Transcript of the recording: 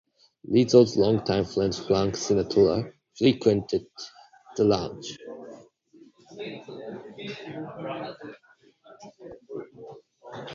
Rizzo's long-time friend Frank Sinatra frequented the lounge.